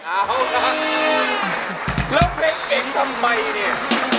แล้วเพลงเก่งทำไมเนี่ย